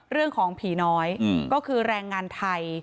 เรื่องของผีน้อยก็คือแรงงานไทย